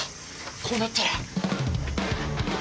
こうなったら。